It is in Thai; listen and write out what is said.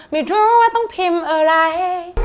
ไม่รู้ว่าต้องพิมพ์อะไร